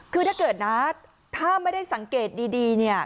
คือถ้าเกิดนะถ้าไม่ได้สังเกตดีเนี่ย